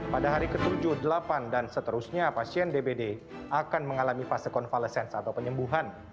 pada hari ke tujuh delapan dan seterusnya pasien dbd akan mengalami fase convalesen atau penyembuhan